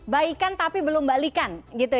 baikan tapi belum balikan